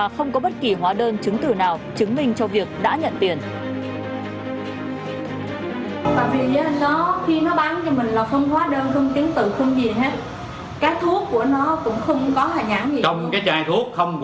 không chỉ có ông tiến sĩ tên thắng